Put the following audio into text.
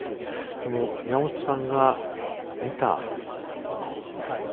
その宮本さんが見たもの